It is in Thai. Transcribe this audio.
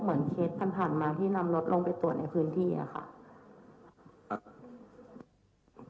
เหมือนเคสที่กันผ่านมาที่นำรถลงไปตรวจในพื้นที่กันอ่ะคะ